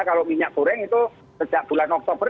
kalau minyak goreng itu sejak bulan oktober